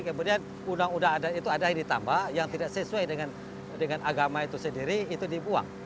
kemudian undang undang adat itu ada yang ditambah yang tidak sesuai dengan agama itu sendiri itu dibuang